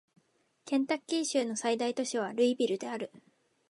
ケンタッキー州の最大都市はルイビルである